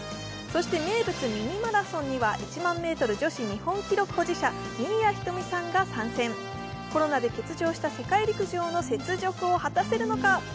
そして名物ミニマラソンには、１万メートル女子日本記録保持者、新谷仁美さんが参戦、コロナで欠場した雪辱を果たせるのか？